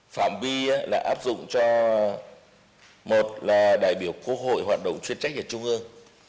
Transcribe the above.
phạm vi đã áp dụng cho một là đại biểu quốc hội hoạt động chuyên trách ở trung ương